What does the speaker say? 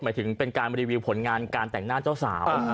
หมายถึงเป็นการรีวิวผลงานการแต่งหน้าเจ้าสาว